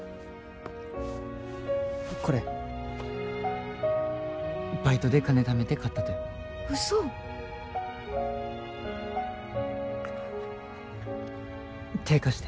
これバイトで金ためて買ったとよ嘘っ手貸して